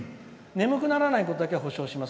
「眠くならないことだけは保証します」。